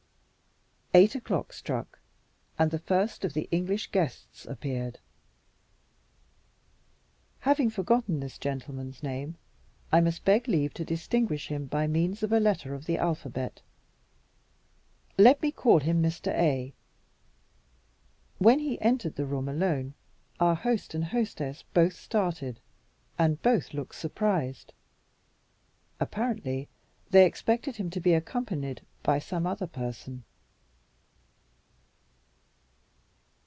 Eight o'clock struck, and the first of the English guests appeared. Having forgotten this gentleman's name, I must beg leave to distinguish him by means of a letter of the alphabet. Let me call him Mr. A. When he entered the room alone, our host and hostess both started, and both looked surprised. Apparently they expected him to be accompanied by some other person.